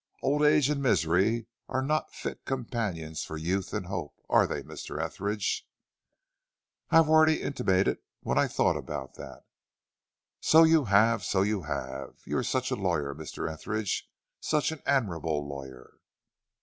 Old age and misery are not fit companions for youth and hope, are they, Mr. Etheridge?" "I have already intimated what I thought about that." "So you have, so you have. You are such a lawyer, Mr. Etheridge, such an admirable lawyer!"